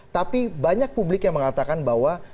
tapi banyak publik yang mengatakan bahwa